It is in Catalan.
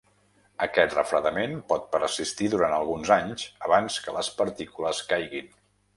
Aquest refredament pot persistir durant alguns anys abans que les partícules caiguin.